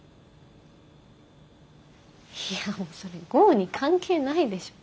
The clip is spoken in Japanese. いやそれ剛に関係ないでしょ。